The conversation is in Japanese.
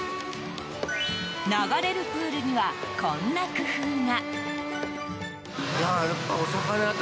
流れるプールにはこんな工夫が。